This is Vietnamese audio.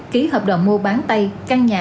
ký hợp đồng mua bán tay căn nhà